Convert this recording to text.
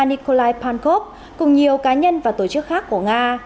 nikolai pankov cùng nhiều cá nhân và tổ chức khác của nga